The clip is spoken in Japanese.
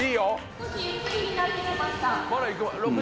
少しゆっくりになってきました。